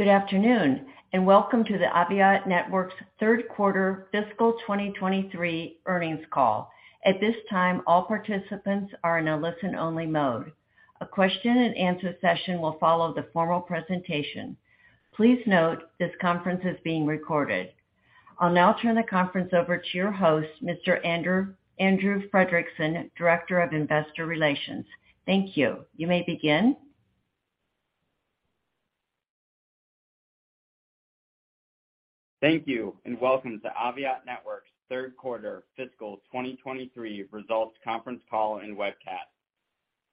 Good afternoon, welcome to the Aviat Networks third quarter fiscal 2023 earnings call. At this time, all participants are in a listen-only mode. A question-and-answer session will follow the formal presentation. Please note this conference is being recorded. I'll now turn the conference over to your host, Mr. Andrew Fredrickson, Director of Investor Relations. Thank you. You may begin. Thank you, and welcome to Aviat Networks third quarter fiscal 2023 results conference call and webcast.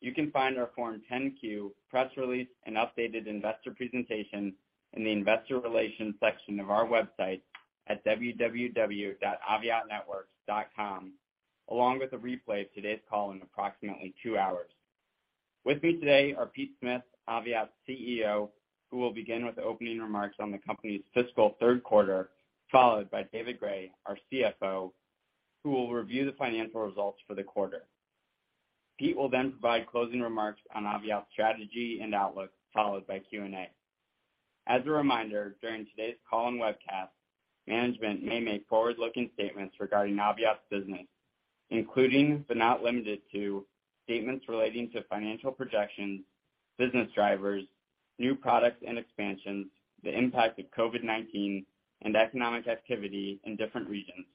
You can find our Form 10-Q, press release, and updated investor presentation in the Investor Relations section of our website at www.aviatnetworks.com, along with a replay of today's call in approximately two hours. With me today are Pete Smith, Aviat's CEO, who will begin with opening remarks on the company's fiscal third quarter, followed by David Gray, our CFO, who will review the financial results for the quarter. Pete will then provide closing remarks on Aviat's strategy and outlook, followed by Q&A. As a reminder, during today's call and webcast, management may make forward-looking statements regarding Aviat's business, including, but not limited to, statements relating to financial projections, business drivers, new products and expansions, the impact of COVID-19, and economic activity in different regions.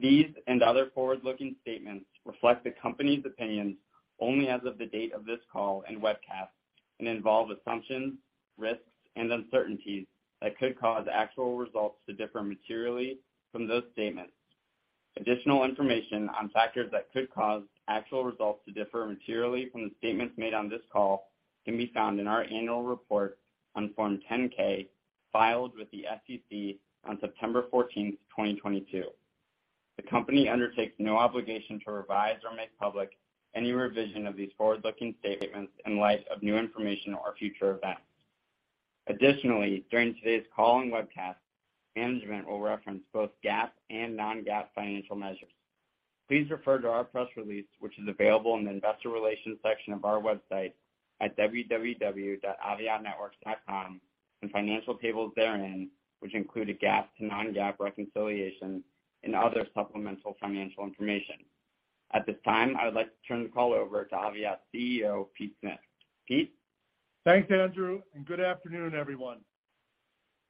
These and other forward-looking statements reflect the company's opinions only as of the date of this call and webcast and involve assumptions, risks, and uncertainties that could cause actual results to differ materially from those statements. Additional information on factors that could cause actual results to differ materially from the statements made on this call can be found in our annual report on Form 10-K filed with the SEC on September 14th, 2022. The company undertakes no obligation to revise or make public any revision of these forward-looking statements in light of new information or future events. During today's call and webcast, management will reference both GAAP and non-GAAP financial measures. Please refer to our press release, which is available in the Investor Relations section of our website at www.aviatnetworks.com, and financial tables therein, which include a GAAP to non-GAAP reconciliation and other supplemental financial information. At this time, I would like to turn the call over to Aviat's CEO, Pete Smith. Pete? Thanks, Andrew. Good afternoon, everyone.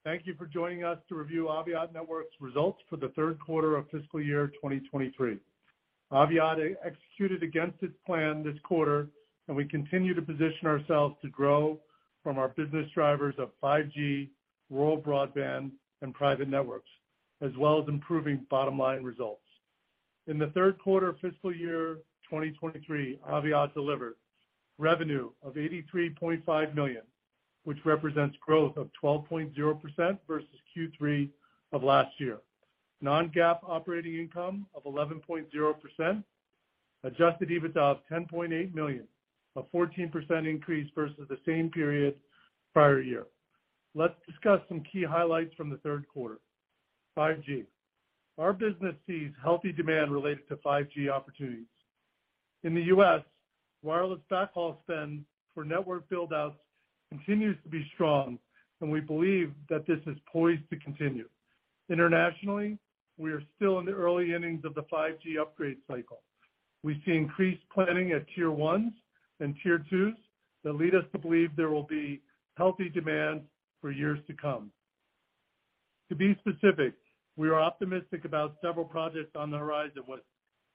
Thank you for joining us to review Aviat Networks' results for the third quarter of fiscal year 2023. Aviat executed against its plan this quarter. We continue to position ourselves to grow from our business drivers of 5G, Rural Broadband, and Private Networks, as well as improving bottom-line results. In the third quarter of fiscal year 2023, Aviat delivered revenue of $83.5 million, which represents growth of 12.0% versus Q3 of last year. Non-GAAP operating income of 11.0%. Adjusted EBITDA of $10.8 million, a 14% increase versus the same period prior year. Let's discuss some key highlights from the third quarter. 5G. Our business sees healthy demand related to 5G opportunities. In the U.S., wireless backhaul spend for network build-outs continues to be strong, and we believe that this is poised to continue. Internationally, we are still in the early innings of the 5G upgrade cycle. We see increased planning at Tier 1s and Tier 2s that lead us to believe there will be healthy demand for years to come. To be specific, we are optimistic about several projects on the horizon with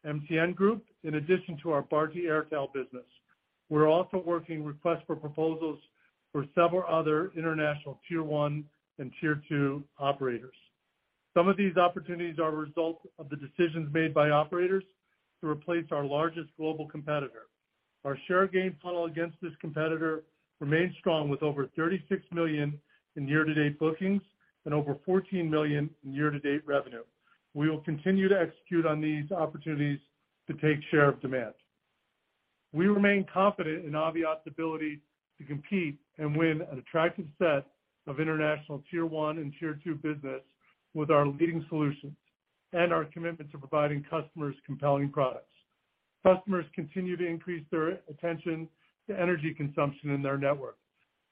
MTN Group, in addition to our Bharti Airtel business. We're also working requests for proposals for several other international Tier 1 and Tier 2 operators. Some of these opportunities are a result of the decisions made by operators to replace our largest global competitor. Our share gain funnel against this competitor remains strong, with over $36 million in year-to-date bookings and over $14 million in year-to-date revenue. We will continue to execute on these opportunities to take share of demand. We remain confident in Aviat's ability to compete and win an attractive set of international Tier 1 and Tier 2 business with our leading solutions and our commitment to providing customers compelling products. Customers continue to increase their attention to energy consumption in their network.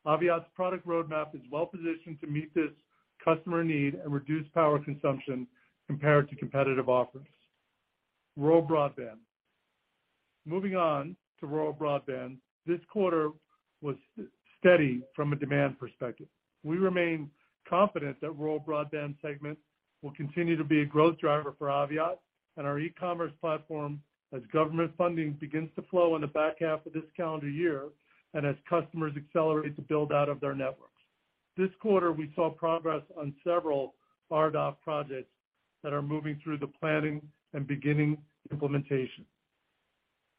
Aviat's product roadmap is well-positioned to meet this customer need and reduce power consumption compared to competitive offerings. Rural Broadband. Moving on to Rural Broadband. This quarter was steady from a demand perspective. We remain confident that Rural Broadband segment will continue to be a growth driver for Aviat and our e-commerce platform as government funding begins to flow in the back half of this calendar year and as customers accelerate the build-out of their networks. This quarter, we saw progress on several RDOF projects that are moving through the planning and beginning implementation.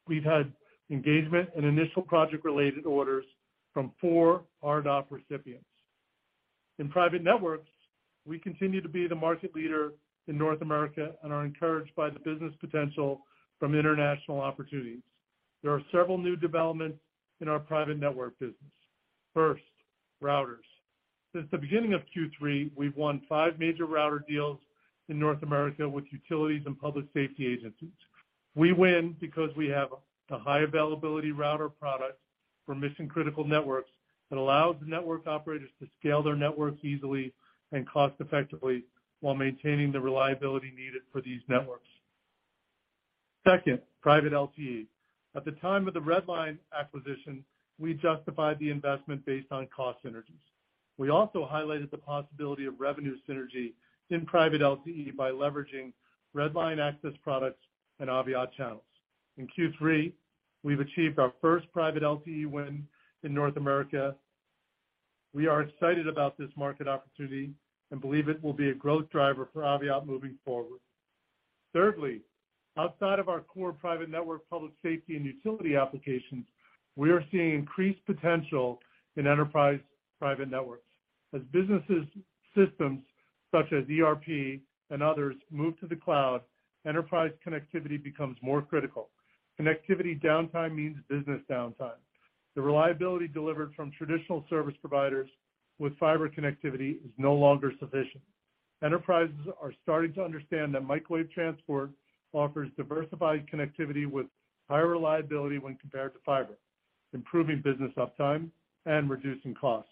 We've had engagement and initial project-related orders from four RDOF recipients. In Private Networks, we continue to be the market leader in North America and are encouraged by the business potential from international opportunities. There are several new developments in our private network business. First, routers. Since the beginning of Q3, we've won five major router deals in North America with utilities and Public Safety agencies. We win because we have a high availability router product for mission-critical networks that allows the network operators to scale their networks easily and cost effectively while maintaining the reliability needed for these networks. Second, Private LTE. At the time of the Redline acquisition, we justified the investment based on cost synergies. We also highlighted the possibility of revenue synergy in Private LTE by leveraging Redline access products and Aviat channels. In Q3, we've achieved our first Private LTE win in North America. We are excited about this market opportunity and believe it will be a growth driver for Aviat moving forward. Thirdly, outside of our core Private Networks, Public Safety, and utility applications, we are seeing increased potential in enterprise Private Networks. As businesses' systems, such as ERP and others, move to the cloud, enterprise connectivity becomes more critical. Connectivity downtime means business downtime. The reliability delivered from traditional service providers with fiber connectivity is no longer sufficient. Enterprises are starting to understand that microwave transport offers diversified connectivity with higher reliability when compared to fiber, improving business uptime and reducing costs.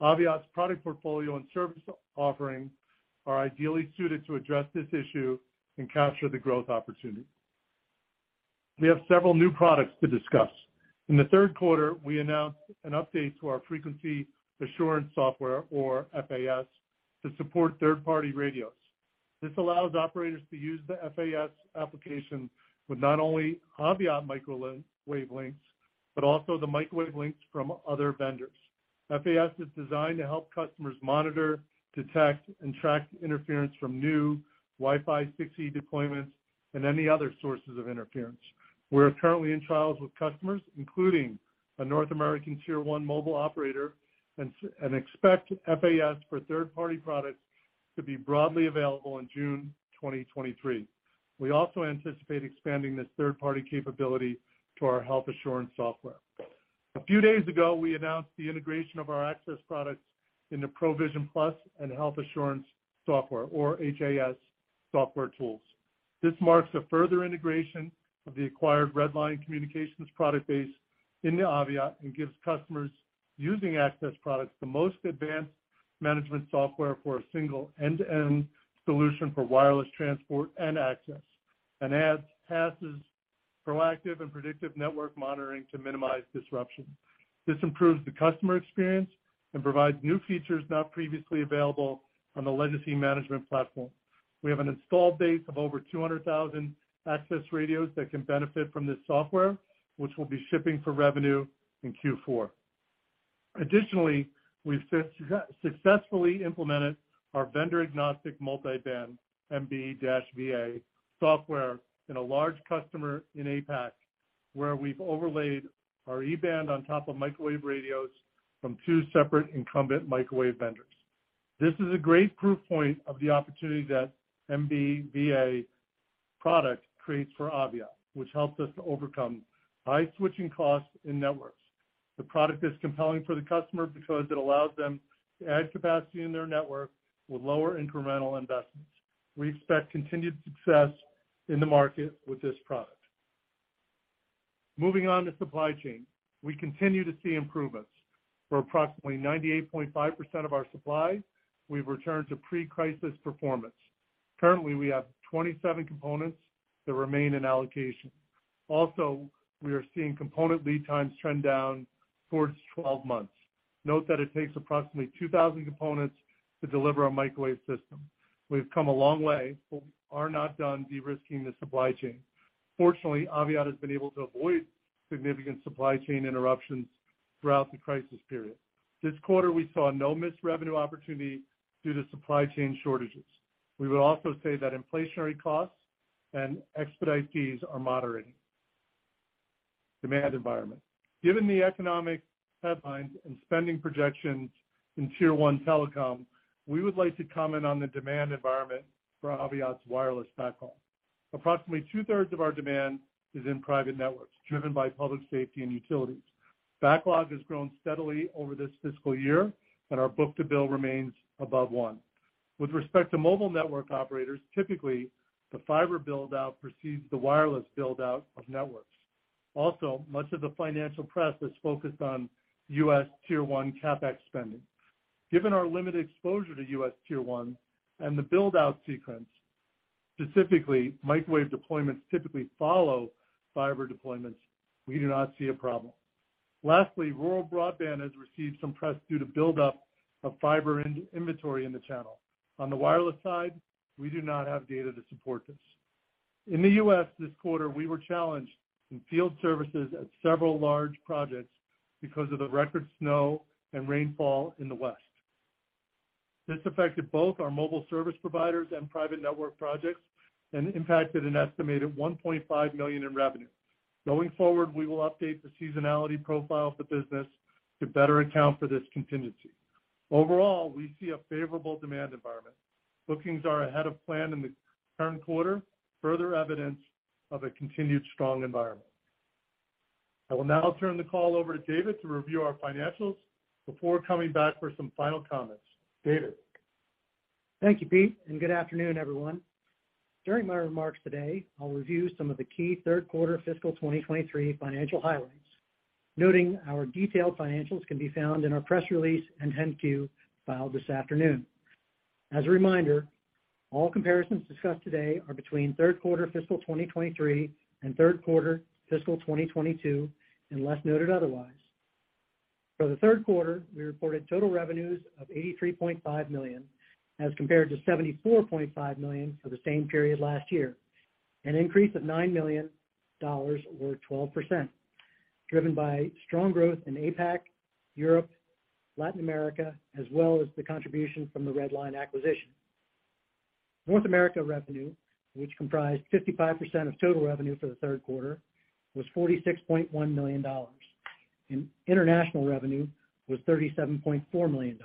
Aviat's product portfolio and service offering are ideally suited to address this issue and capture the growth opportunity. We have several new products to discuss. In the third quarter, we announced an update to our Frequency Assurance Software, or FAS, to support third-party radios. This allows operators to use the FAS application with not only Aviat microwave links, but also the microwave links from other vendors. FAS is designed to help customers monitor, detect, and track interference from new Wi-Fi 6E deployments and any other sources of interference. We're currently in trials with customers, including a North American Tier 1 mobile operator, and expect FAS for third-party products to be broadly available in June 2023. We also anticipate expanding this third-party capability to our Health Assurance Software. A few days ago, we announced the integration of our access products into ProVision+ and Health Assurance Software, or HAS, software tools. This marks a further integration of the acquired Redline Communications product base into Aviat and gives customers using access products the most advanced management software for a single end-to-end solution for wireless transport and access, and adds HAS's proactive and predictive network monitoring to minimize disruption. This improves the customer experience and provides new features not previously available on the legacy management platform. We have an install base of over 200,000 access radios that can benefit from this software, which will be shipping for revenue in Q4. Additionally, we've successfully implemented our Vendor Agnostic Multi-Band, MB-VA, software in a large customer in APAC, where we've overlaid our E-Band on top of microwave radios from two separate incumbent microwave vendors. This is a great proof point of the opportunity that MB-VA product creates for Aviat, which helps us to overcome high switching costs in networks. The product is compelling for the customer because it allows them to add capacity in their network with lower incremental investments. We expect continued success in the market with this product. Moving on to supply chain. We continue to see improvements. For approximately 98.5% of our supply, we've returned to pre-crisis performance. Currently, we have 27 components that remain in allocation. Also, we are seeing component lead times trend down towards 12 months. Note that it takes approximately 2,000 components to deliver a microwave system. We've come a long way, but we are not done de-risking the supply chain. Fortunately, Aviat has been able to avoid significant supply chain interruptions throughout the crisis period. This quarter, we saw no missed revenue opportunity due to supply chain shortages. We would also say that inflationary costs and expedite fees are moderating. Demand environment. Given the economic headlines and spending projections in Tier 1 telecom, we would like to comment on the demand environment for Aviat's wireless backlog. Approximately 2/3 of our demand is in Private Networks, driven by Public Safety and utilities. Backlog has grown steadily over this fiscal year, and our book-to-bill remains above 1. With respect to mobile network operators, typically, the fiber build-out precedes the wireless build-out of networks. Much of the financial press is focused on U.S. Tier 1 CapEx spending. Given our limited exposure to U.S. Tier 1 and the build-out sequence, specifically, microwave deployments typically follow fiber deployments, we do not see a problem. Rural Broadband has received some press due to build-up of fiber in-inventory in the channel. On the wireless side, we do not have data to support this. In the U.S. this quarter, we were challenged in field services at several large projects because of the record snow and rainfall in the West. This affected both our mobile service providers and Private Networks projects and impacted an estimated $1.5 million in revenue. Going forward, we will update the seasonality profile of the business to better account for this contingency. Overall, we see a favorable demand environment. Bookings are ahead of plan in the current quarter, further evidence of a continued strong environment. I will now turn the call over to David to review our financials before coming back for some final comments. David? Thank you, Pete, and good afternoon, everyone. During my remarks today, I'll review some of the key third quarter fiscal 2023 financial highlights, noting our detailed financials can be found in our press release and 10-Q filed this afternoon. As a reminder, all comparisons discussed today are between third quarter fiscal 2023 and third quarter fiscal 2022, unless noted otherwise. For the third quarter, we reported total revenues of $83.5 million, as compared to $74.5 million for the same period last year, an increase of $9 million or 12%, driven by strong growth in APAC, Europe, Latin America, as well as the contribution from the Redline acquisition. North America revenue, which comprised 55% of total revenue for the third quarter, was $46.1 million. International revenue was $37.4 million.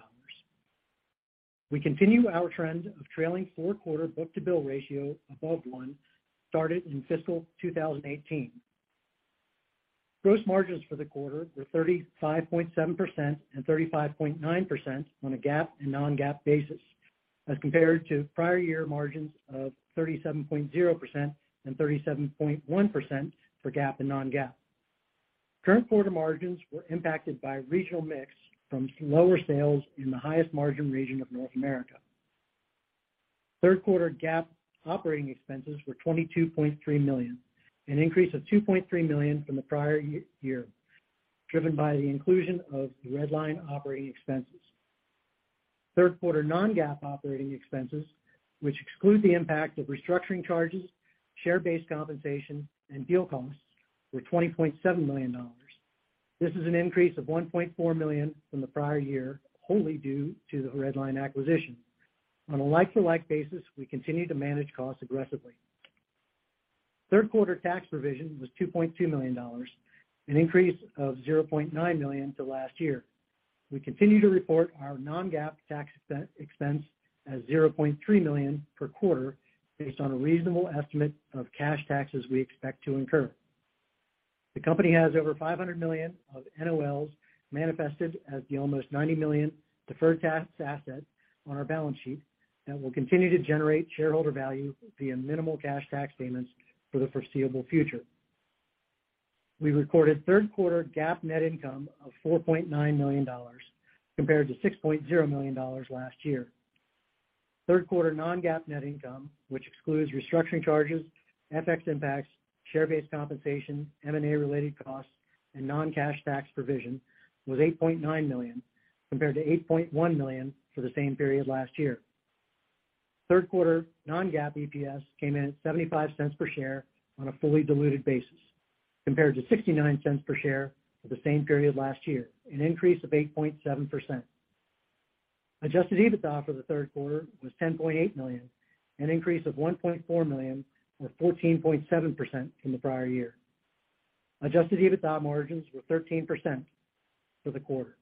We continue our trend of trailing four-quarter book-to-bill ratio above 1, started in fiscal 2018. Gross margins for the quarter were 35.7% and 35.9% on a GAAP and non-GAAP basis, as compared to prior year margins of 37.0% and 37.1% for GAAP and non-GAAP. Current quarter margins were impacted by regional mix from slower sales in the highest margin region of North America. Third quarter GAAP operating expenses were $22.3 million, an increase of $2.3 million from the prior year, driven by the inclusion of the Redline operating expenses. Third quarter non-GAAP operating expenses, which exclude the impact of restructuring charges, share-based compensation, and deal costs, were $20.7 million. This is an increase of $1.4 million from the prior year, wholly due to the Redline acquisition. On a like-for-like basis, we continue to manage costs aggressively. Third quarter tax provision was $2.2 million, an increase of $0.9 million to last year. We continue to report our non-GAAP tax expense as $0.3 million per quarter based on a reasonable estimate of cash taxes we expect to incur. The company has over 500 million of NOLs manifested as the almost $90 million deferred tax asset on our balance sheet that will continue to generate shareholder value via minimal cash tax payments for the foreseeable future. We recorded third quarter GAAP net income of $4.9 million, compared to $6.0 million last year. Third quarter non-GAAP net income, which excludes restructuring charges, FX impacts, share-based compensation, M&A-related costs, and non-cash tax provision, was $8.9 million, compared to $8.1 million for the same period last year. Third quarter non-GAAP EPS came in at $0.75 per share on a fully diluted basis, compared to $0.69 per share for the same period last year, an increase of 8.7%. Adjusted EBITDA for the third quarter was $10.8 million, an increase of $1.4 million or 14.7% from the prior year. Adjusted EBITDA margins were 13% for the quarter.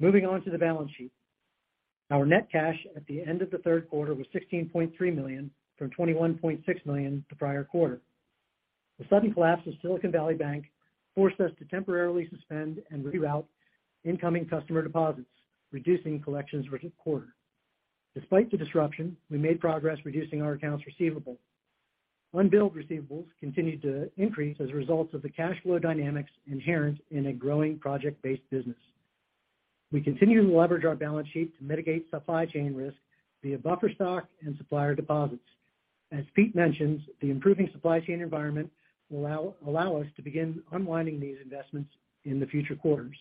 Moving on to the balance sheet. Our net cash at the end of the third quarter was $16.3 million, from $21.6 million the prior quarter. The sudden collapse of Silicon Valley Bank forced us to temporarily suspend and reroute incoming customer deposits, reducing collections for quarter. Despite the disruption, we made progress reducing our accounts receivable. Unbilled receivables continued to increase as a result of the cash flow dynamics inherent in a growing project-based business. We continue to leverage our balance sheet to mitigate supply chain risk via buffer stock and supplier deposits. As Pete mentioned, the improving supply chain environment will allow us to begin unwinding these investments in the future quarters.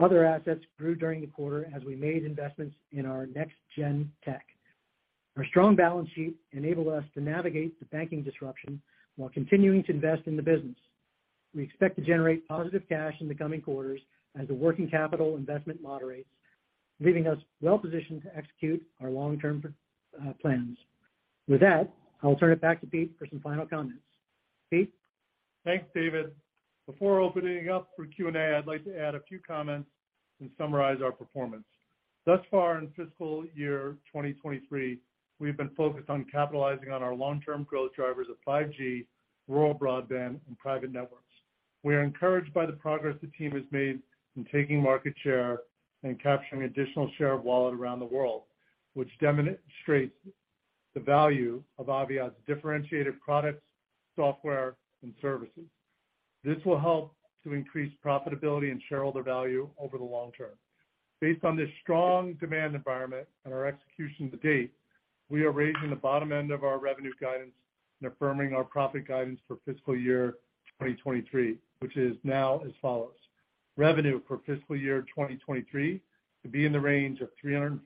Other assets grew during the quarter as we made investments in our next-gen tech. Our strong balance sheet enabled us to navigate the banking disruption while continuing to invest in the business. We expect to generate positive cash in the coming quarters as the working capital investment moderates, leaving us well-positioned to execute our long-term plans. With that, I'll turn it back to Pete for some final comments. Pete? Thanks, David. Before opening up for Q&A, I'd like to add a few comments and summarize our performance. Thus far in fiscal year 2023, we've been focused on capitalizing on our long-term growth drivers of 5G, Rural Broadband, and Private Networks. We are encouraged by the progress the team has made in taking market share and capturing additional share of wallet around the world, which demonstrates the value of Aviat's differentiated products, software, and services. This will help to increase profitability and shareholder value over the long term. Based on this strong demand environment and our execution to date, we are raising the bottom end of our revenue guidance and affirming our profit guidance for fiscal year 2023, which is now as follows. Revenue for fiscal year 2023 to be in the range of $341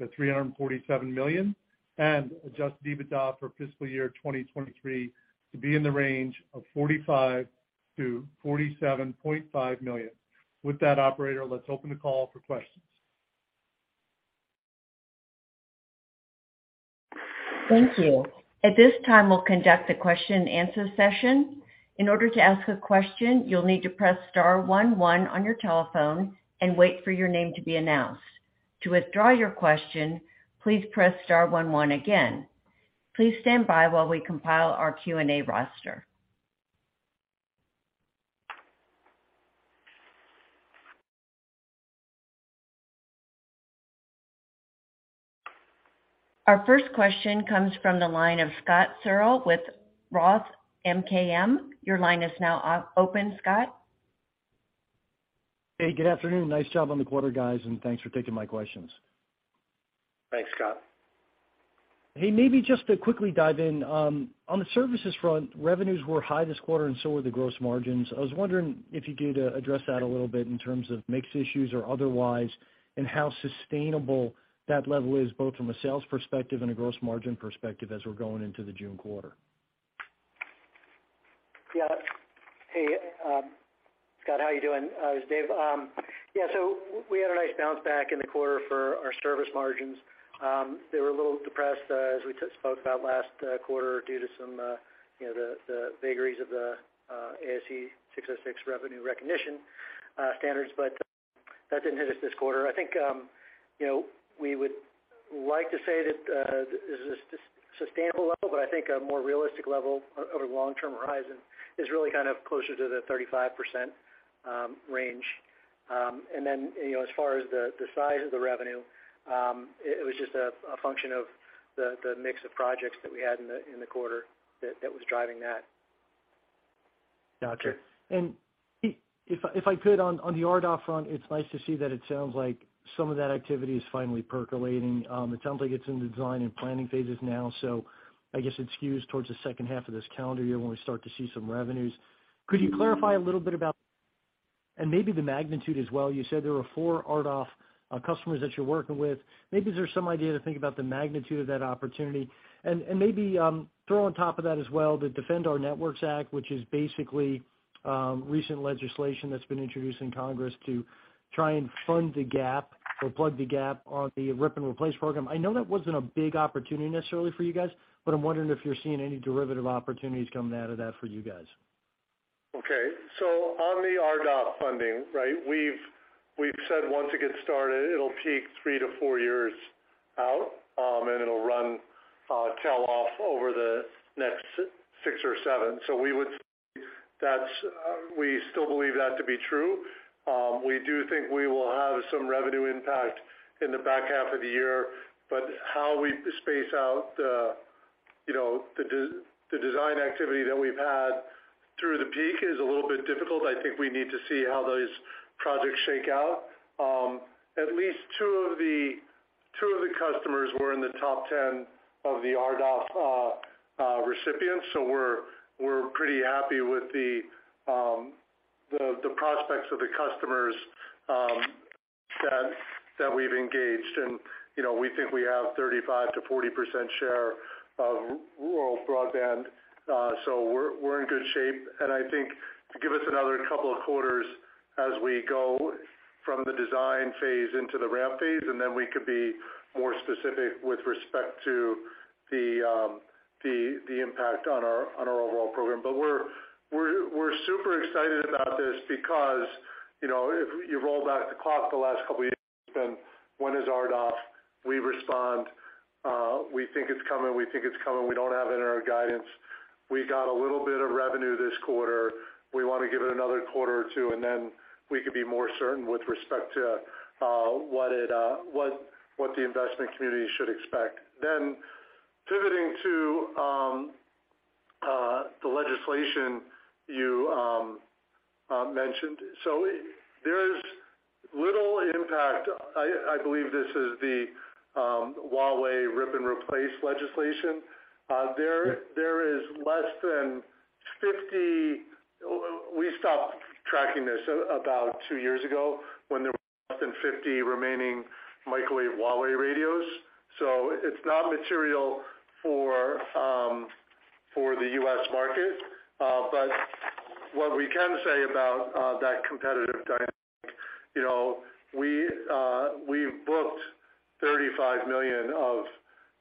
million-$347 million. Adjusted EBITDA for fiscal year 2023 to be in the range of $45 million-$47.5 million. With that, operator, let's open the call for questions. Thank you. At this time, we'll conduct a question-and-answer session. In order to ask a question, you'll need to press star one one on your telephone and wait for your name to be announced. To withdraw your question, please press star one one again. Please stand by while we compile our Q&A roster. Our first question comes from the line of Scott Searle with ROTH MKM. Your line is now open, Scott. Hey, good afternoon. Nice job on the quarter, guys. Thanks for taking my questions. Thanks, Scott. Hey, maybe just to quickly dive in. On the services front, revenues were high this quarter, and so were the gross margins. I was wondering if you could address that a little bit in terms of mix issues or otherwise, and how sustainable that level is, both from a sales perspective and a gross margin perspective as we're going into the June quarter. Yeah. Hey, Scott, how are you doing? It's Dave. We had a nice bounce back in the quarter for our service margins. They were a little depressed, as we spoke about last quarter due to some, you know, the vagaries of the ASC 606 revenue recognition standards, but that didn't hit us this quarter. I think, you know, we would like to say that this is a sustainable level, but I think a more realistic level over long-term horizon is really kind of closer to the 35% range. Then, you know, as far as the size of the revenue, it was just a function of the mix of projects that we had in the quarter that was driving that. Got you. If I could on the RDOF front, it's nice to see that it sounds like some of that activity is finally percolating. It sounds like it's in the design and planning phases now. I guess it skews towards the second half of this calendar year when we start to see some revenues. Could you clarify a little bit about and maybe the magnitude as well? You said there were four RDOF customers that you're working with. Maybe is there some idea to think about the magnitude of that opportunity? Maybe throw on top of that as well, the Defend Our Networks Act, which is basically, recent legislation that's been introduced in Congress to try and fund the gap or plug the gap on the rip and replace program. I know that wasn't a big opportunity necessarily for you guys, but I'm wondering if you're seeing any derivative opportunities coming out of that for you guys. On the RDOF funding, right, we've said once it gets started, it'll peak three to four years out, and it'll run, tail off over the next six or seven. We would say we still believe that to be true. We do think we will have some revenue impact in the back half of the year. How we space out the, you know, the design activity that we've had through the peak is a little bit difficult. I think we need to see how those projects shake out. At least two of the customers were in the top 10 of the RDOF recipients. We're pretty happy with the prospects of the customers that we've engaged. You know, we think we have 35%-40% share of Rural Broadband, so we're in good shape. I think give us another couple of quarters as we go from the design phase into the ramp phase, and then we could be more specific with respect to the, the impact on our, on our overall program. We're, we're super excited about this because, you know, if you roll back the clock the last couple of years, it's been when is RDOF? We respond, we think it's coming, we think it's coming. We don't have it in our guidance. We got a little bit of revenue this quarter. We want to give it another quarter or two, and then we could be more certain with respect to, what it, what the investment community should expect. Pivoting to the legislation you mentioned. There is little impact. I believe this is the Huawei rip and replace legislation. There is less than 50. We stopped tracking this about 2 years ago when there were less than 50 remaining microwave Huawei radios. It's not material for the U.S. market. But what we can say about that competitive dynamic, you know, we've booked $35 million of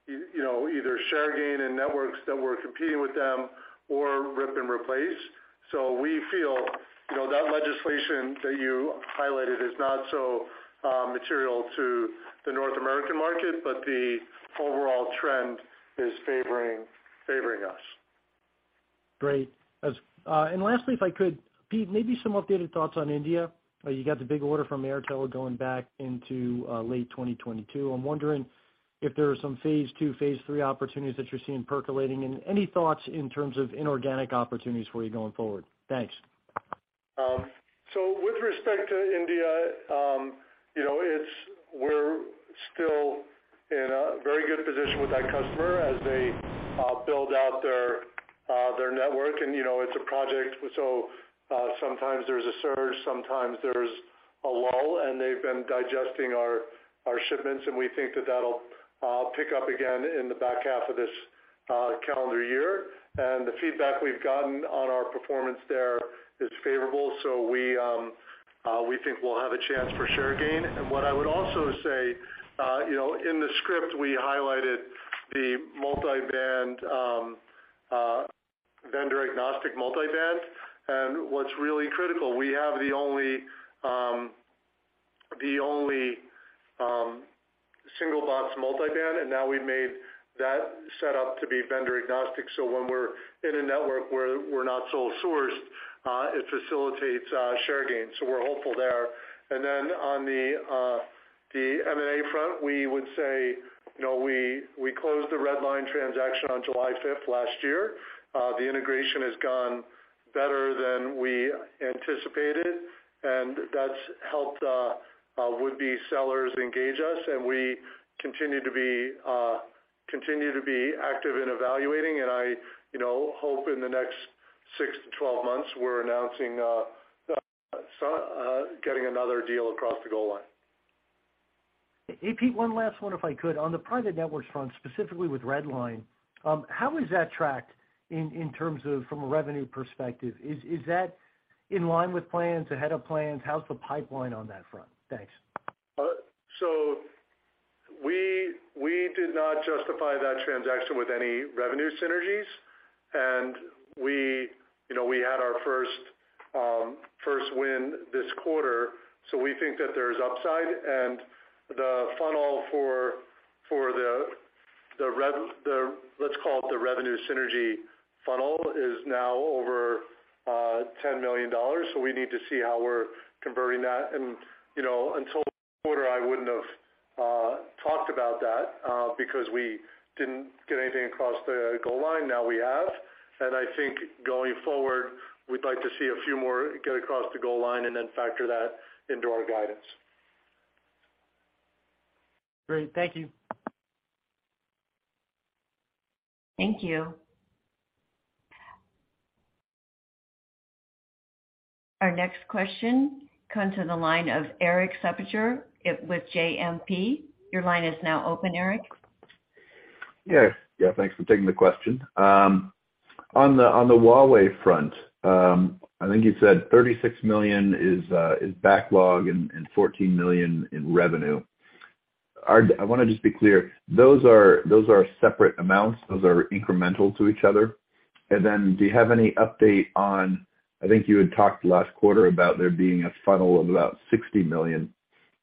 you know, either share gain in networks that we're competing with them or rip and replace. We feel, you know, that legislation that you highlighted is not so material to the North American market, but the overall trend is favoring us. Great. Lastly, if I could, Pete, maybe some updated thoughts on India. You got the big order from Airtel going back into late 2022. I'm wondering if there are some phase two, phase three opportunities that you're seeing percolating and any thoughts in terms of inorganic opportunities for you going forward. Thanks. With respect to India, you know, we're still in a very good position with that customer as they build out their network. You know, it's a project, so sometimes there's a surge, sometimes there's a lull, and they've been digesting our shipments, and we think that that'll pick up again in the back half of this calendar year. The feedback we've gotten on our performance there is favorable, so we think we'll have a chance for share gain. What I would also say, you know, in the script, we highlighted the Multi-Band, Vendor Agnostic Multi-Band. What's really critical, we have the only Single-Box Multi-Band, and now we've made that set up to be vendor agnostic. When we're in a network where we're not sole sourced, it facilitates share gains. We're hopeful there. On the M&A front, we would say, you know, we closed the Redline transaction on July 5th, 2022. The integration has gone better than we anticipated, and that's helped would-be sellers engage us, and we continue to be active in evaluating. I, you know, hope in the next six to 12 months, we're announcing, getting another deal across the goal line. Hey, Pete, one last one, if I could. On the Private Networks front, specifically with Redline, how has that tracked in terms of from a revenue perspective? Is that in line with plans, ahead of plans? How's the pipeline on that front? Thanks. We did not justify that transaction with any revenue synergies. We, you know, we had our first win this quarter, so we think that there's upside. The funnel for the revenue synergy funnel is now over $10 million. We need to see how we're converting that. You know, until this quarter, I wouldn't have talked about that because we didn't get anything across the goal line. Now we have, and I think going forward, we'd like to see a few more get across the goal line and then factor that into our guidance. Great. Thank you. Thank you. Our next question comes to the line of Erik Suppiger with JMP. Your line is now open, Erik. Yes. Yeah, thanks for taking the question. On the Huawei front, I think you said $36 million is backlog and $14 million in revenue. I wanna just be clear, those are separate amounts, those are incremental to each other? Do you have any update on, I think you had talked last quarter about there being a funnel of about $60 million.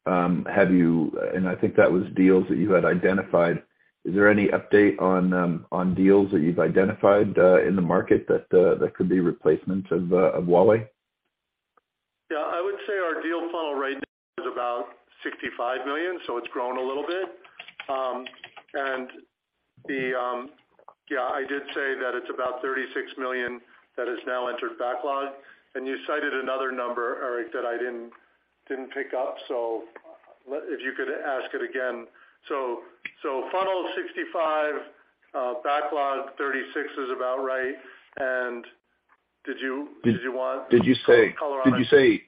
I think that was deals that you had identified. Is there any update on deals that you've identified in the market that could be replacements of Huawei? Yeah, I would say our deal funnel right now is about $65 million, so it's grown a little bit. the, yeah, I did say that it's about $36 million that has now entered backlog. You cited another number, Erik, that I didn't pick up. If you could ask it again. Funnel 65, backlog 36 is about right. did you? Did you say? Some color on that?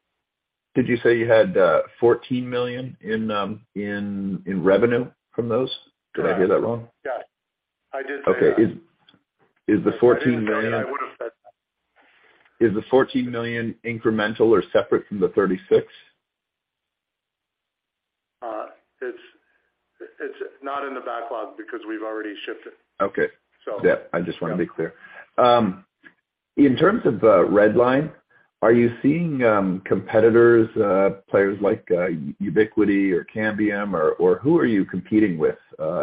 Did you say you had $14 million in revenue from those? Yeah. Did I hear that wrong? Yeah. I did say that. Okay. Is the $14 million- I didn't say it, I would've said that. Is the $14 million incremental or separate from the $36? It's not in the backlog because we've already shipped it. Okay. So. Yeah, I just wanna be clear. In terms of Redline, are you seeing competitors, players like Ubiquiti or Cambium, or who are you competing with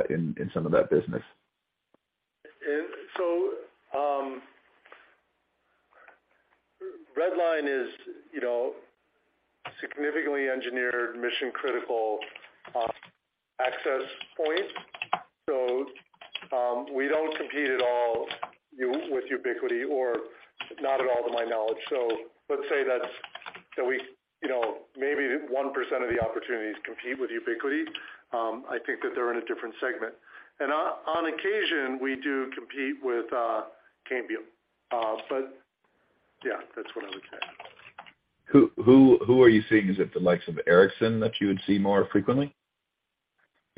in some of that business? Redline is, you know, significantly engineered mission critical access point. We don't compete at all with Ubiquiti or not at all to my knowledge. Let's say that we, you know, maybe 1% of the opportunities compete with Ubiquiti. I think that they're in a different segment. On occasion, we do compete with Cambium. Yeah, that's what I would say. Who are you seeing? Is it the likes of Ericsson that you would see more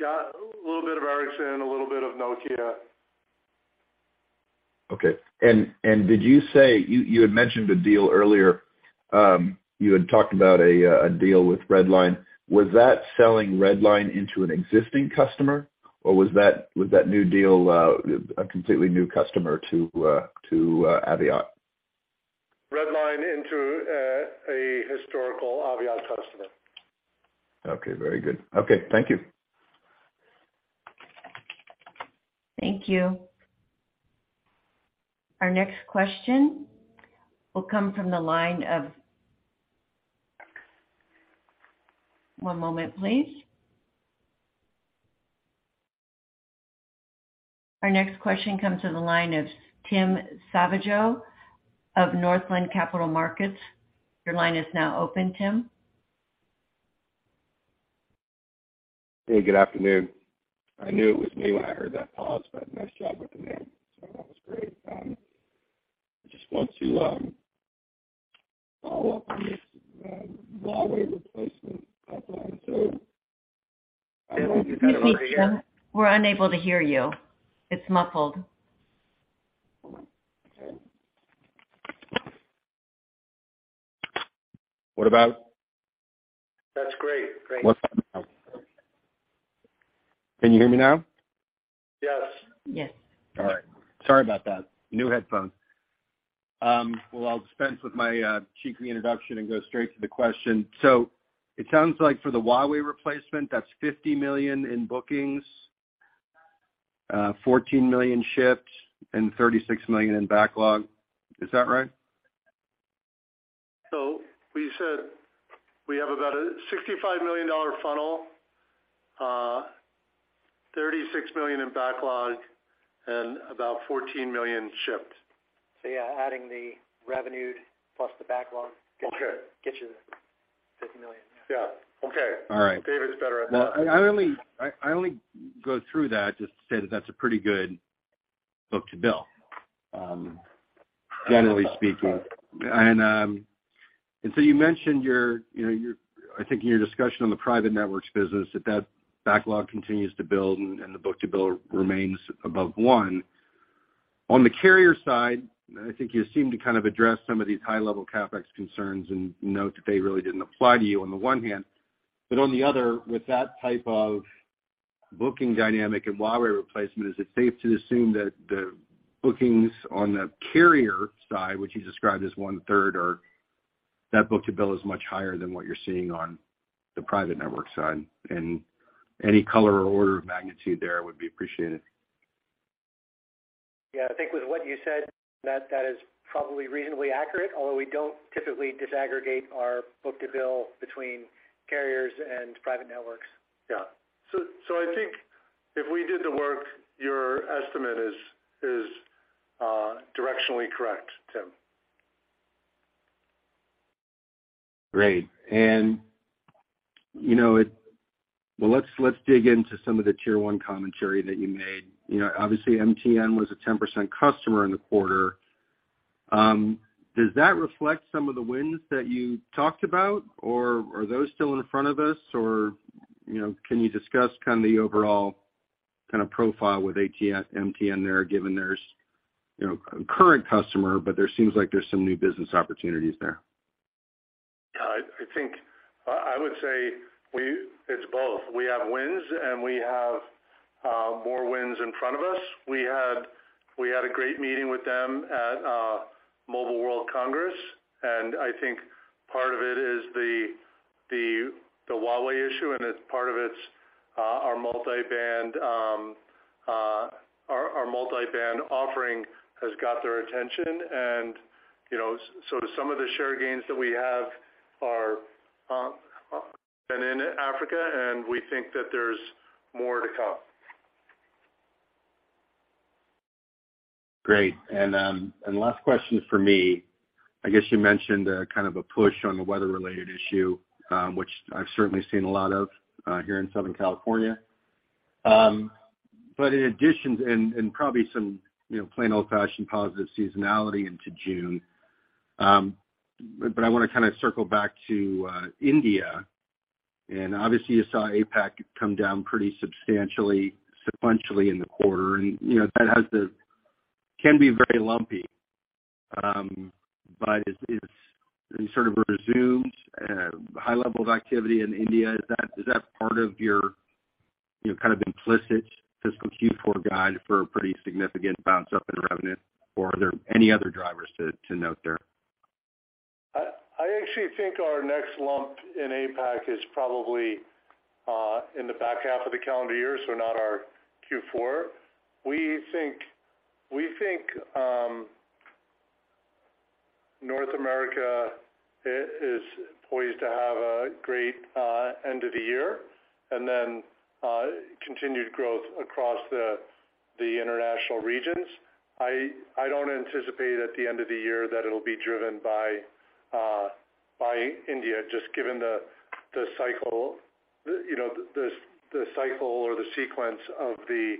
frequently? Yeah, a little bit of Ericsson, a little bit of Nokia. Okay. Did you say you had mentioned a deal earlier. You had talked about a deal with Redline. Was that selling Redline into an existing customer, or was that new deal a completely new customer to Aviat? Redline into, a historical Aviat customer. Okay. Very good. Okay. Thank you. Thank you. Our next question will come from the line of... One moment, please. Our next question comes to the line of Tim Savageaux of Northland Capital Markets. Your line is now open, Tim. Hey, good afternoon. I knew it was me when I heard that pause, but nice job with the name, so that was great. I just want to follow up on this Huawei replacement pipeline. I know. Can you speak up, Tim? We're unable to hear you. It's muffled. Okay. What about? That's great. Great. What about now? Can you hear me now? Yes. Yes. All right. Sorry about that. New headphones. Well, I'll dispense with my cheeky introduction and go straight to the question. It sounds like for the Huawei replacement, that's $50 million in bookings, $14 million shipped, and $36 million in backlog. Is that right? We said we have about a $65 million funnel, $36 million in backlog, and about $14 million shipped. yeah, adding the revenue plus the backlog. Okay. gets you the $50 million. Yeah. Okay. All right. David's better at that. Well, I only, I only go through that just to say that that's a pretty good book-to-bill, generally speaking. So you mentioned your, you know, your, I think in your discussion on the Private Networks business that that backlog continues to build and the book-to-bill remains above one. On the carrier side, I think you seem to kind of address some of these high-level CapEx concerns and note that they really didn't apply to you on the one hand. But on the other, with that type of booking dynamic and Huawei replacement, is it safe to assume that the bookings on the carrier side, which you described as 1/3, or that book-to-bill is much higher than what you're seeing on the private network side? Any color or order of magnitude there would be appreciated. Yeah. I think with what you said, that is probably reasonably accurate, although we don't typically disaggregate our book-to-bill between carriers and Private Networks. Yeah. I think if we did the work, your estimate is directionally correct, Tim. Great. You know, well, let's dig into some of the Tier 1 commentary that you made. You know, obviously, MTN was a 10% customer in the quarter. Does that reflect some of the wins that you talked about, or are those still in front of us? Or, you know, can you discuss kind of the overall kind of profile with MTN there, given there's, you know, a current customer, but there seems like there's some new business opportunities there. Yeah, I think, it's both. We have wins, and we have more wins in front of us. We had a great meeting with them at Mobile World Congress. I think part of it is the Huawei issue. It's part of it's our Multi-Band offering has got their attention. You know, so do some of the share gains that we have are been in Africa, and we think that there's more to come. Great. Last question for me, I guess you mentioned, kind of a push on the weather-related issue, which I've certainly seen a lot of, here in Southern California. In addition and, probably some, you know, plain old-fashioned positive seasonality into June, but I wanna kinda circle back to India. Obviously you saw APAC come down pretty substantially sequentially in the quarter. You know, that can be very lumpy. It's sort of resumes, high level of activity in India. Is that, is that part of your, you know, kind of implicit fiscal Q4 guide for a pretty significant bounce up in revenue? Are there any other drivers to note there? I actually think our next lump in APAC is probably in the back half of the calendar year, so not our Q4. We think North America is poised to have a great end of the year and then continued growth across the international regions. I don't anticipate at the end of the year that it'll be driven by India, just given the cycle, you know, the cycle or the sequence of the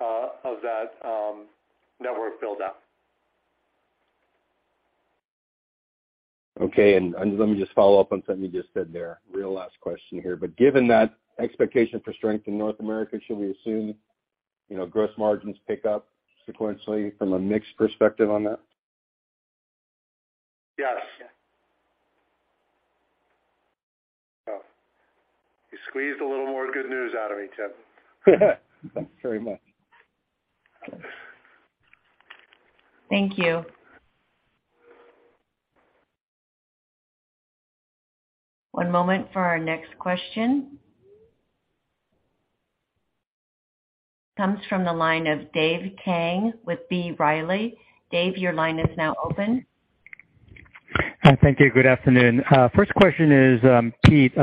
of that network build-up. Okay. Let me just follow up on something you just said there. Real last question here. Given that expectation for strength in North America, should we assume, you know, gross margins pick up sequentially from a mix perspective on that? Yes. You squeezed a little more good news out of me, Tim. Thanks very much. Thank you. One moment for our next question. Comes from the line of Dave Kang with B. Riley. Dave, your line is now open. Hi. Thank you. Good afternoon. First question is, Pete,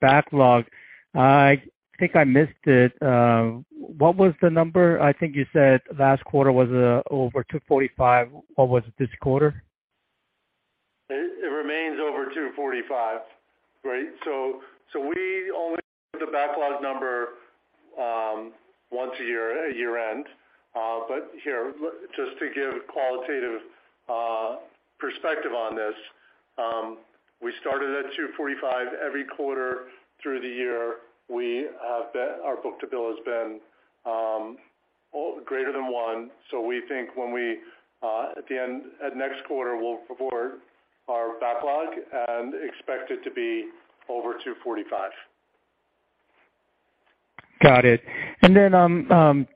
backlog. I think I missed it. What was the number? I think you said last quarter was over $245. What was it this quarter? It remains over $245. Right. We only give the backlog number once a year at year-end. Here, just to give qualitative perspective on this, we started at $245 every quarter through the year. Our book-to-bill has been greater than 1. We think when we at next quarter, we'll report our backlog and expect it to be over $245. Got it.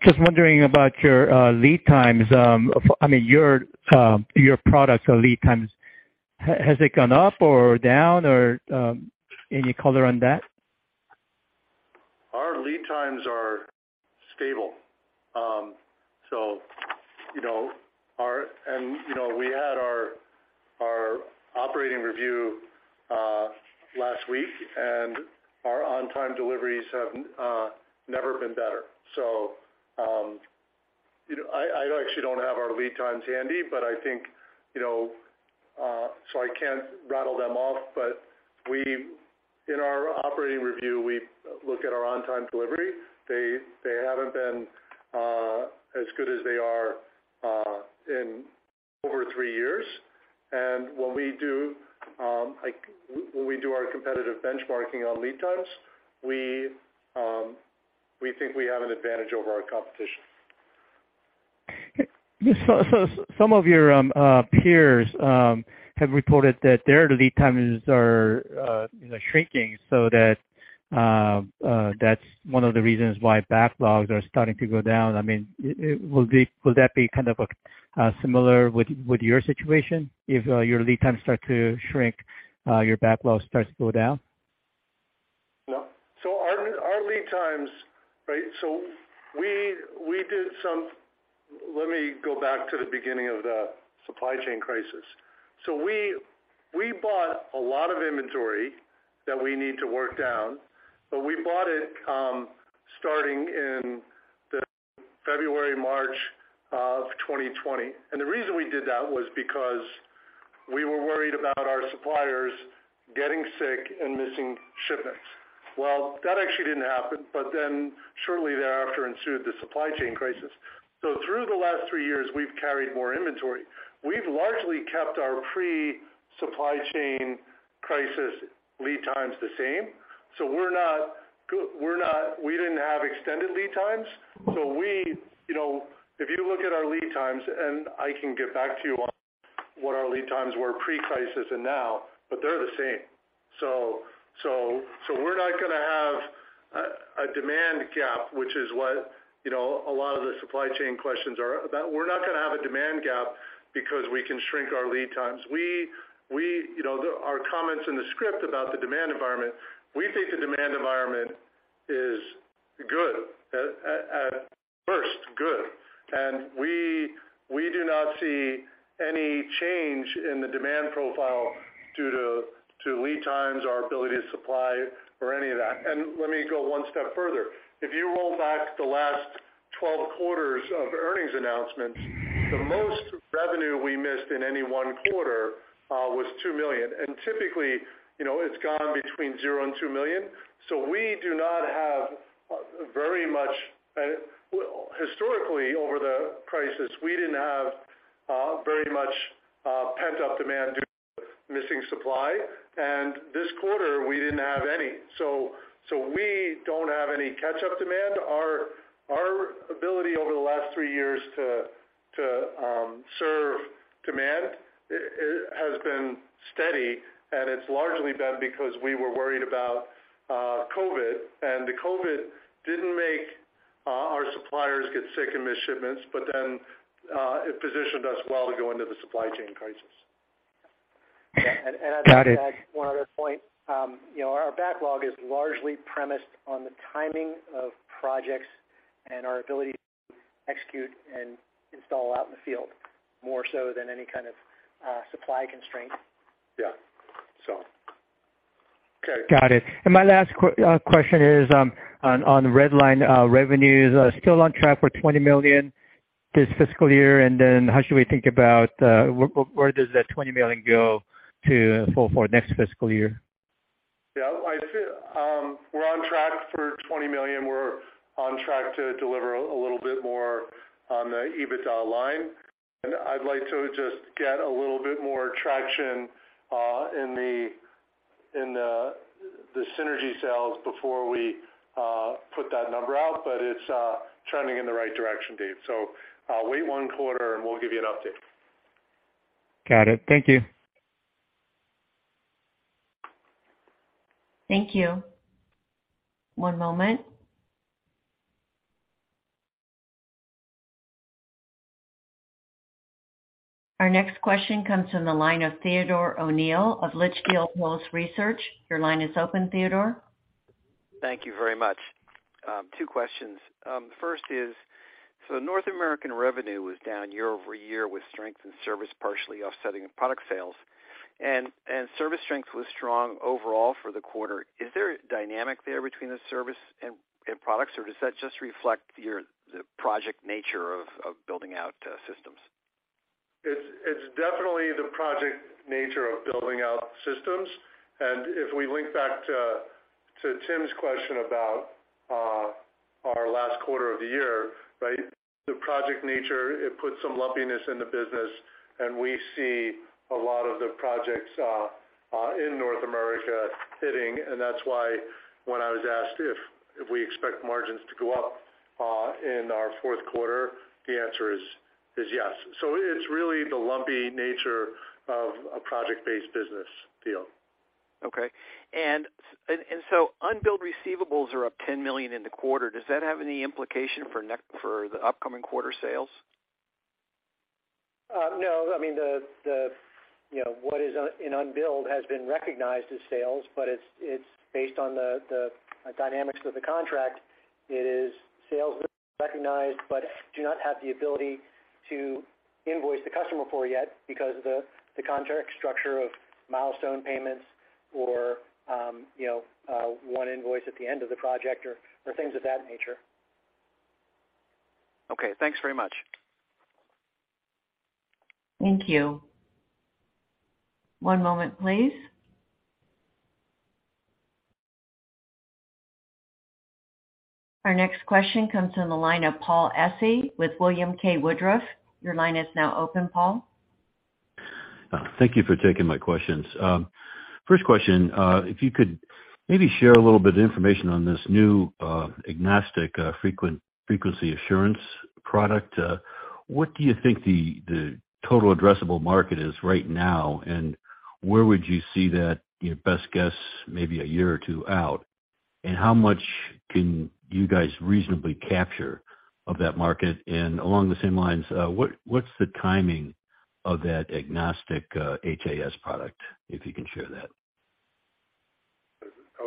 Just wondering about your lead times, I mean, your products lead times. Has it gone up or down or any color on that? Our lead times are stable. You know, we had our operating review last week, and our on-time deliveries have never been better. You know, I actually don't have our lead times handy, but I think, you know, I can't rattle them off. In our operating review, we look at our on-time delivery. They haven't been as good as they are in over three years. When we do, like, when we do our competitive benchmarking on lead times, we think we have an advantage over our competition. Some of your peers have reported that their lead times are, you know, shrinking so that that's one of the reasons why backlogs are starting to go down. I mean, will that be kind of similar with your situation if your lead times start to shrink, your backlog starts to go down? No. Our lead times, right? Let me go back to the beginning of the supply chain crisis. We bought a lot of inventory that we need to work down, but we bought it, starting in the February, March 2020. The reason we did that was because we were worried about our suppliers getting sick and missing shipments. That actually didn't happen. Shortly thereafter ensued the supply chain crisis. Through the last three years, we've carried more inventory. We've largely kept our pre-supply chain crisis lead times the same. We didn't have extended lead times. You know, if you look at our lead times, and I can get back to you on what our lead times were pre-crisis and now, but they're the same. We're not gonna have a demand gap, which is what, you know, a lot of the supply chain questions are about. We're not gonna have a demand gap because we can shrink our lead times. We, you know, our comments in the script about the demand environment, we think the demand environment is good. At first good. We do not see any change in the demand profile due to lead times, our ability to supply or any of that. Let me go one step further. If you roll back the last 12 quarters of earnings announcements, the most revenue we missed in any one quarter was $2 million. Typically, you know, it's gone between $0 and $2 million. We do not have very much... Historically, over the crisis, we didn't have very much pent-up demand due to missing supply. This quarter we didn't have any. We don't have any catch-up demand. Our ability over the last three years to serve demand has been steady, and it's largely been because we were worried about COVID. The COVID didn't make our suppliers get sick and miss shipments. It positioned us well to go into the supply chain crisis. Got it. I'd like to add one other point. You know, our backlog is largely premised on the timing of projects and our ability to execute and install out in the field more so than any kind of supply constraint. Yeah. Got it. My last question is on Redline, revenues are still on track for $20 million this fiscal year. How should we think about where does that $20 million go to fall for next fiscal year? Yeah. I feel we're on track for $20 million. We're on track to deliver a little bit more on the EBITDA line. I'd like to just get a little bit more traction in the synergy sales before we put that number out. It's trending in the right direction, Dave. Wait 1 quarter, and we'll give you an update. Got it. Thank you. Thank you. One moment. Our next question comes from the line of Theodore O'Neill of Litchfield Hills Research. Your line is open, Theodore. Thank you very much. two questions. First is, North American revenue was down year-over-year with strength in service partially offsetting product sales. Service strength was strong overall for the quarter. Is there a dynamic there between the service and products, or does that just reflect the project nature of building out systems? It's definitely the project nature of building out systems. If we link back to Tim's question about our last quarter of the year, right? The project nature, it puts some lumpiness in the business, and we see a lot of the projects in North America hitting. That's why when I was asked if we expect margins to go up in our fourth quarter, the answer is yes. It's really the lumpy nature of a project-based business deal. Okay. Unbilled receivables are up $10 million in the quarter. Does that have any implication for the upcoming quarter sales? No, I mean, the, you know, what is in unbilled has been recognized as sales, but it's based on the dynamics of the contract. It is sales recognized but do not have the ability to invoice the customer for yet because of the contract structure of milestone payments or, you know, one invoice at the end of the project or things of that nature. Okay, thanks very much. Thank you. One moment, please. Our next question comes from the line of Paul Essi with William K. Woodruff. Your line is now open, Paul. Thank you for taking my questions. First question, if you could maybe share a little bit of information on this new, agnostic, Frequency Assurance Software. What do you think the total addressable market is right now, and where would you see that, your best guess, maybe a year or two out? How much can you guys reasonably capture of that market? Along the same lines, what's the timing of that agnostic HAS product, if you can share that? That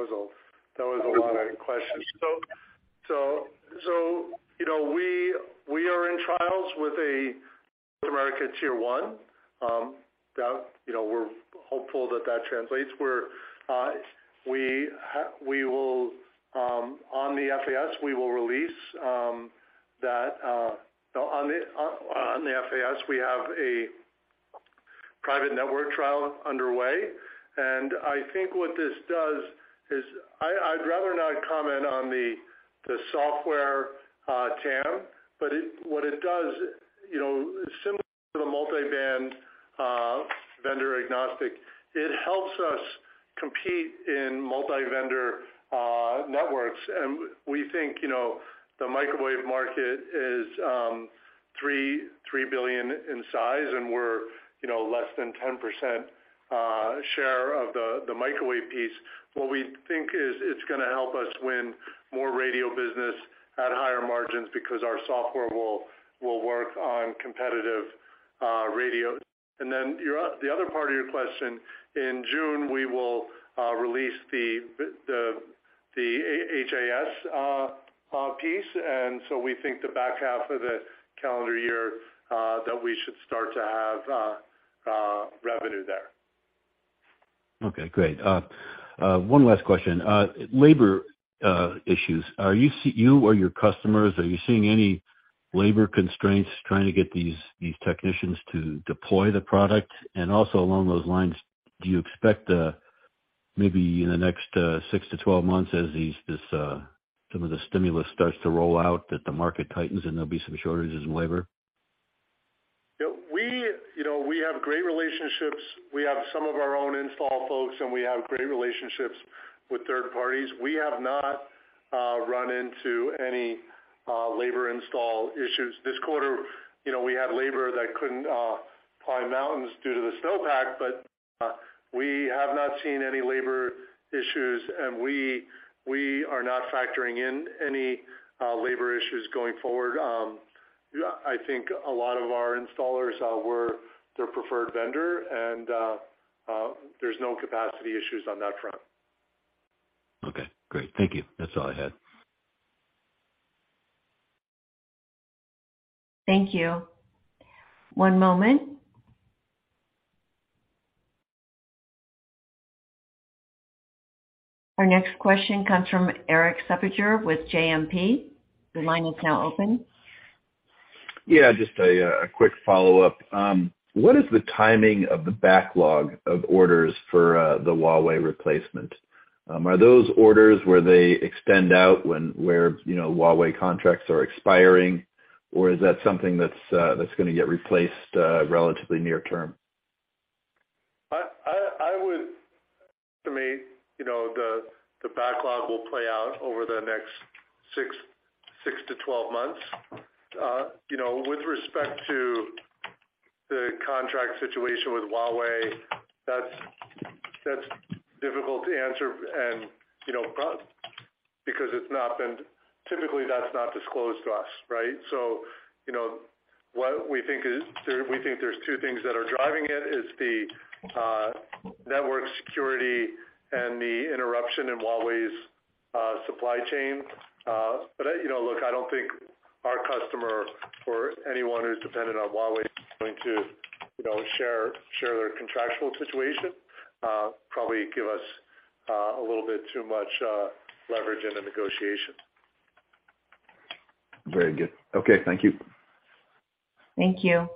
was a lot of questions. you know, we are in trials with a North America Tier 1, that, you know, we're hopeful that that translates where we will, on the FAS, we will release that, on the FAS, we have a private network trial underway, and I think what this does is I'd rather not comment on the software TAM, but what it does, you know, similar to the Multi-Band Vendor Agnostic, it helps us compete in multi-vendor networks. We think, you know, the microwave market is $3 billion in size, and we're, you know, less than 10% share of the microwave piece. What we think is it's gonna help us win more radio business at higher margins because our software will work on competitive radio. The other part of your question, in June, we will release the A-HAS piece. We think the back half of the calendar year that we should start to have revenue there. Okay, great. One last question. Labor issues. Are you or your customers seeing any labor constraints trying to get these technicians to deploy the product? Also along those lines, do you expect maybe in the next six to 12 months as this some of the stimulus starts to roll out, that the market tightens and there'll be some shortages in labor? Yeah, we, you know, we have great relationships. We have some of our own install folks, and we have great relationships with third parties. We have not run into any labor install issues. This quarter, you know, we had labor that couldn't climb mountains due to the snowpack, but we have not seen any labor issues, and we are not factoring in any labor issues going forward. I think a lot of our installers, we're their preferred vendor, and there's no capacity issues on that front. Okay, great. Thank you. That's all I had. Thank you. One moment. Our next question comes from Erik Suppiger with JMP. Your line is now open. Yeah, just a quick follow-up. What is the timing of the backlog of orders for the Huawei replacement? Are those orders where they extend out when, you know, Huawei contracts are expiring, or is that something that's gonna get replaced relatively near term? I would estimate, you know, the backlog will play out over the next six to 12 months. You know, with respect to the contract situation with Huawei, that's difficult to answer and, you know, because typically, that's not disclosed to us, right? You know, what we think is there, we think there's 2 things that are driving it is the network security and the interruption in Huawei's supply chain. You know, look, I don't think our customer or anyone who's dependent on Huawei is going to, you know, share their contractual situation. Probably give us a little bit too much leverage in the negotiation. Very good. Okay, thank you. Thank you.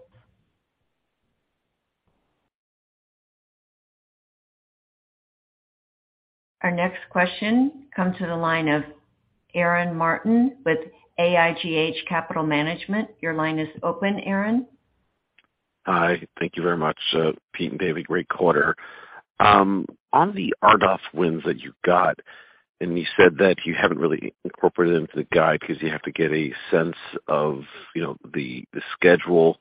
Our next question comes to the line of Aaron Martin with AIGH Capital Management. Your line is open, Aaron. Hi. Thank you very much, Pete and David. Great quarter. On the RDOF wins that you got, you said that you haven't really incorporated into the guide because you have to get a sense of, you know, the schedule.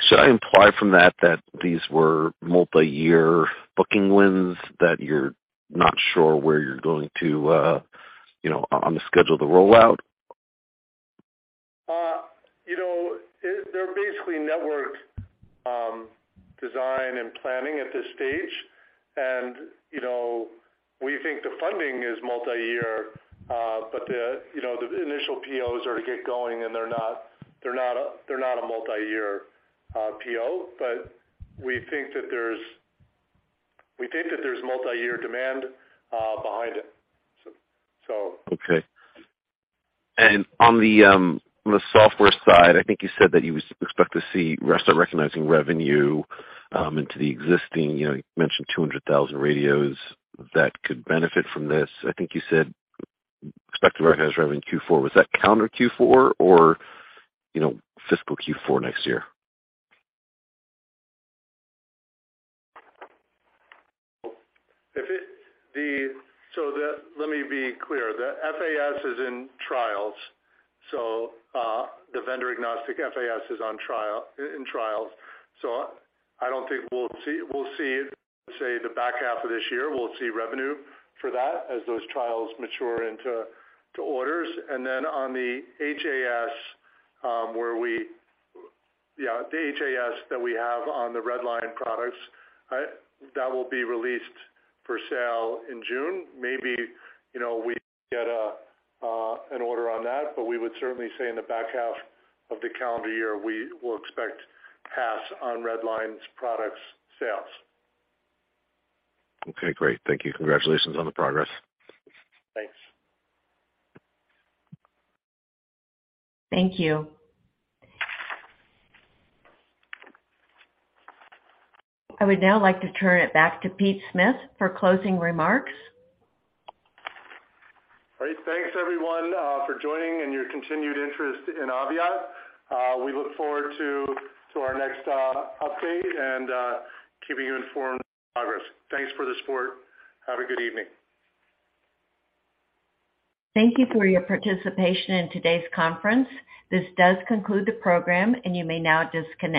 Should I imply from that these were multi-year booking wins that you're not sure where you're going to, you know, on the schedule to roll out? You know, they're basically network, design and planning at this stage. You know, we think the funding is multi-year, but the, you know, the initial POs are to get going, and they're not a multi-year, PO. We think that there's multi-year demand behind it, so. Okay. On the, on the software side, I think you said that you expect to see rest recognizing revenue, into the existing, you know, you mentioned 200,000 radios that could benefit from this. I think you said expect to recognize revenue in Q4. Was that calendar Q4 or, you know, fiscal Q4 next year? Let me be clear. The FAS is in trials, the vendor agnostic FAS is on trial, in trials. I don't think we'll see. We'll see, say, the back half of this year, we'll see revenue for that as those trials mature into orders. On the HAS, the HAS that we have on the Redline products, right? That will be released for sale in June. Maybe, you know, we get an order on that. We would certainly say in the back half of the calendar year, we will expect HAS on Redline's products sales. Okay, great. Thank you. Congratulations on the progress. Thanks. Thank you. I would now like to turn it back to Pete Smith for closing remarks. Great. Thanks, everyone, for joining and your continued interest in Aviat. We look forward to our next update and keeping you informed of progress. Thanks for the support. Have a good evening. Thank you for your participation in today's conference. This does conclude the program, and you may now disconnect.